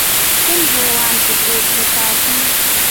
کوم حیوان په کور کې ساتئ؟